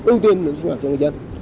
ưu tiên nguồn sinh hoạt cho người dân